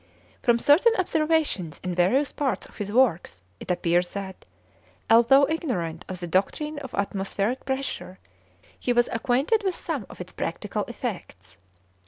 From certain observations in various parts of his works, it appears that, although ignorant of the doctrine of atmospheric pressure, he was acquainted with some of its practical effects.